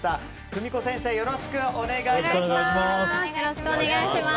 久美子先生よろしくお願いします。